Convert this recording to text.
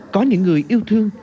có những người yêu thương